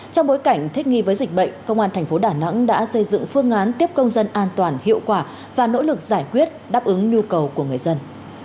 trong bối cảnh thích nghi với dịch bệnh công an thành phố đà nẵng đã xây dựng phương án tiếp công dân an toàn hiệu quả và nỗ lực giải quyết đáp ứng nhu cầu của người dân